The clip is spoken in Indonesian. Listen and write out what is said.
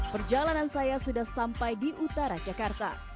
perjalanan saya sudah sampai di utara jakarta